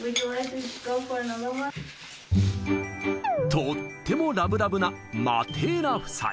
とってもラブラブなマテーラ夫妻。